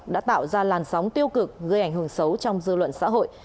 đã tạo ra làn sóng tiêu cực gây ảnh hưởng xấu trong dư luận xã hội